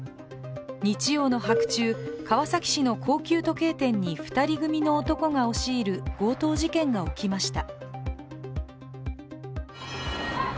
日曜の白昼、川崎市の高級時計店に２人組の男が押し入る強盗事件が起きました。